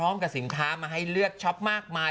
มาให้เลือกช็อปมากมาย